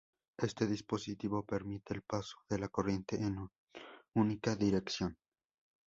Este dispositivo permite el paso de la corriente en una única dirección.